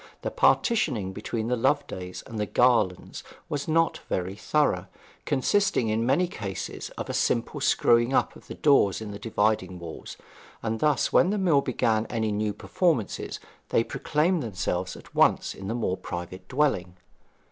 The partitioning between the Lovedays and the Garlands was not very thorough, consisting in many cases of a simple screwing up of the doors in the dividing walls; and thus when the mill began any new performances they proclaimed themselves at once in the more private dwelling.